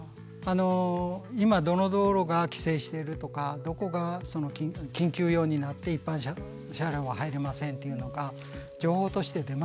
今どの道路が規制しているとかどこが緊急用になって一般車両が入れませんというのが情報として出ますので。